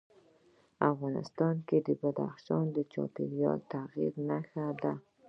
افغانستان کې بدخشان د چاپېریال د تغیر نښه ده.